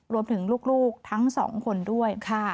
รวมถึงลูกทั้งสองคนด้วย